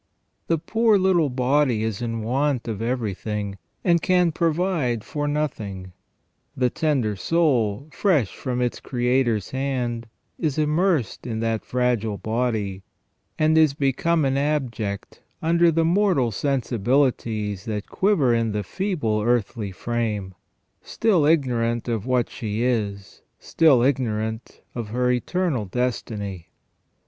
The poor little body is in want of everything, and can provide for nothing. The tender soul, fresh from its Creator's hand, is immersed in that fragile body, and is become an abject under the mortal sensibilities that quiver in the feeble earthly frame, still ignorant of what she is, still ignorant of her eternal destiny.